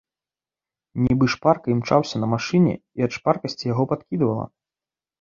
Нібы шпарка імчаўся на машыне і ад шпаркасці яго падкідвала.